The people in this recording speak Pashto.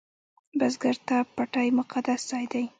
بزګر ته پټی مقدس ځای دی